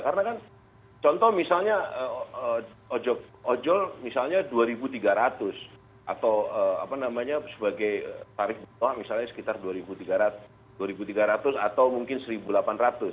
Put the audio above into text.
karena kan contoh misalnya ojol misalnya rp dua tiga ratus atau apa namanya sebagai tarif bawah misalnya sekitar rp dua tiga ratus atau mungkin rp satu delapan ratus